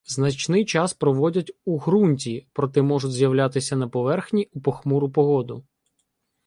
Значний час проводять у ґрунті, проте можуть з'являтися на поверхні у похмуру погоду.